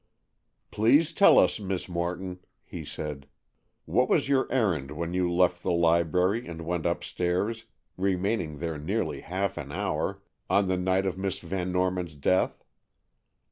"Please tell us, Miss Morton," he said, "what was your errand when you left the library and went upstairs, remaining there nearly half an hour, on the night of Miss Van Norman's death?"